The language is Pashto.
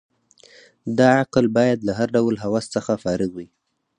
دا عقل باید له هر ډول هوس څخه فارغ وي.